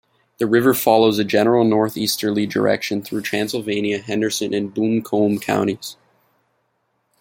The river follows a general northeasterly direction through Transylvania, Henderson, and Buncombe counties.